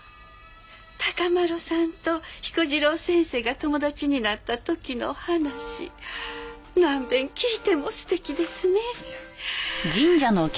孝麿さんと彦次郎先生が友達になった時の話何遍聞いても素敵ですね。